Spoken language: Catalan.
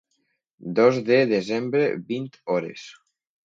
Dos de desembre, vint hores.